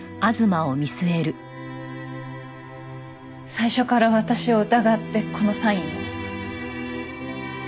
最初から私を疑ってこのサインを？